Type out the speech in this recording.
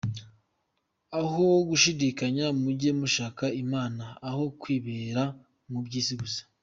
Aho gushidikanya, mujye mushaka imana, aho kwibera mu byisi gusa.